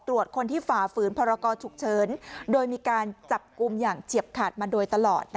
ตรวจคนที่ฝ่าฝืนพรกรฉุกเฉินโดยมีการจับกลุ่มอย่างเฉียบขาดมาโดยตลอด